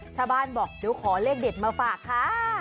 ชาวบ้านบอกเดี๋ยวขอเลขเด็ดมาฝากค่ะ